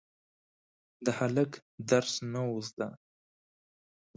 د هلک درس نه و زده.